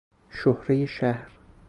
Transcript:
شهرهی شهر